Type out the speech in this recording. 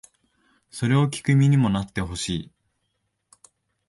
それを聴く身にもなってほしい